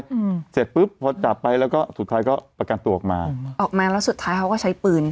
อืมเสร็จปุ๊บพอจับไปแล้วก็สุดท้ายก็ประกันตัวออกมาอืมออกมาออกมาแล้วสุดท้ายเขาก็ใช้ปืน